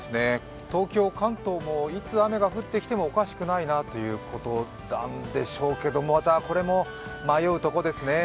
東京、関東もいつ雨が降ってきてもおかしくないというところなんでしょうけど、また、これも迷うところですね。